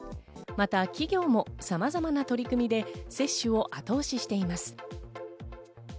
また企業もさまざまな取り組みで接種を後押ししています。